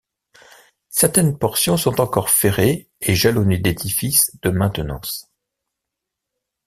Certaines portions sont encore ferrées et jalonnées d'édifices de maintenance.